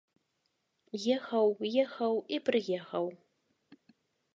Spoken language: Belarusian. Ехаў, ехаў, і прыехаў.